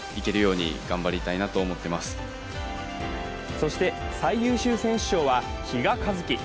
そして最優秀選手賞は比嘉一貴。